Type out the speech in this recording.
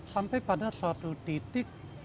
sampai pada suatu titik